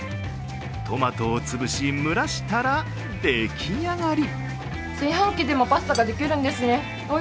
トマトを潰し蒸らしたら出来上がり。